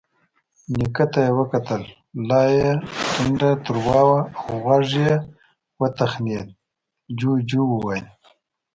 نيکه ته يې وکتل، لا يې ټنډه تروه وه. غوږ يې وتخڼېد، جُوجُو وويل: